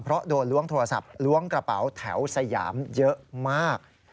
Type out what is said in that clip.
เพราะโดนล้วงโทรศัพท์ล้วงกระเป๋าแถวสยามเยอะมาก